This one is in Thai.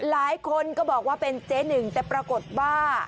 หลายคนก็บอกว่าเป็นเจ๊หนึ่งแต่ปรากฏว่า